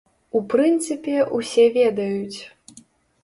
У прынцыпе, усе ведаюць.